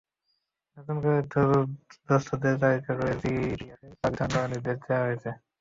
নতুন করে দুস্থদের তালিকা করে ভিজিএফের চাল বিতরণ করার নির্দেশ দেওয়া হয়েছে।